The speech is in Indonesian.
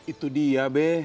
itu dia be